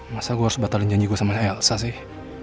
masa gua harus batalin janji gua sama elsa sih